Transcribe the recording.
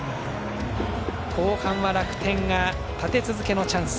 後半は楽天が立て続けのチャンス。